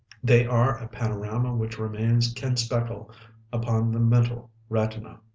They are a panorama which remains ken speckle upon the mental retina.